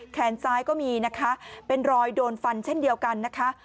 แขนซ้ายก็มีนะคะเป็นรอยโดนฟันเช่นเดียวกันนะคะ